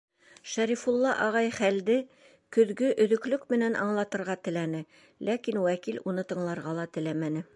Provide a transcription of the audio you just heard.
Шәрифулла ағай хәлде көҙгө өҙөклөк менән аңлатырға теләне, ләкин вәкил уны тыңларға ла теләмәне.